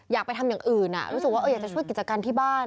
อยากไปทำอย่างอื่นรู้สึกว่าอยากจะช่วยกิจการที่บ้าน